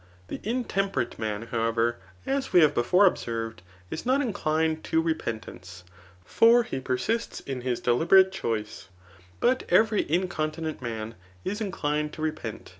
The intemperate man, however, as we have before observed, is not inclined to repentance ; for he persists in his deliberate choice ; but every incontinent man is inclined to repent.